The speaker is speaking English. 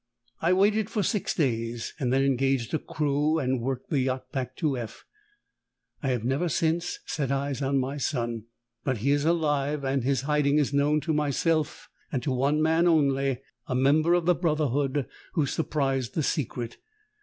I waited for six days, and then engaged a crew and worked the yacht back to F . I have never since set eyes on my son; but he is alive, and his hiding is known to myself and to one man only a member of the brotherhood, who surprised the secret.